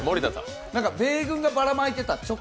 米軍がばらまいてたチョコ？